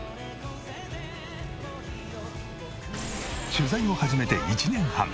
取材を始めて１年半。